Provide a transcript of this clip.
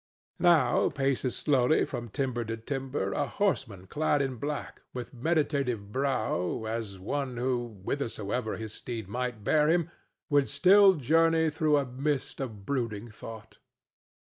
Now paces slowly from timber to timber a horseman clad in black, with a meditative brow, as of one who, whithersoever his steed might bear him, would still journey through a mist of brooding thought.